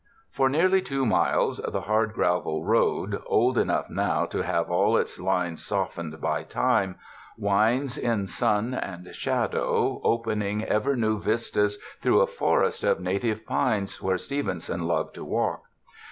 For nearly two miles, the hard gravel road, old enough now to have all its lines softened by time, winds in sun and shadow, opening ever new vistas through a forest of native pines, where Stevenson loved to walk.